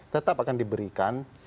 tetap akan diberikan